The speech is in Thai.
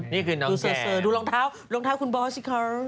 นี่คือน้องดูเซอร์ดูรองเท้ารองเท้าคุณบอสสิคะ